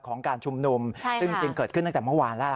การชุมนุมซึ่งจริงเกิดขึ้นตั้งแต่เมื่อวานแล้ว